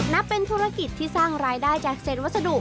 นับเป็นธุรกิจที่สร้างรายได้จากเศษวัสดุ